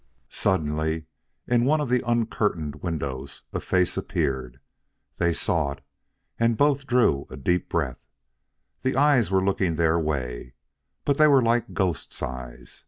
Suddenly in one of the uncurtained windows a face appeared. They saw it, and both drew a deep breath. The eyes were looking their way, but they were like ghost's eyes.